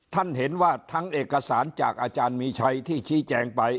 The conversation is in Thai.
ท่านเห็นว่าทั้งเอกสารจากอาจารย์มีชัยที่ชี้แจงไป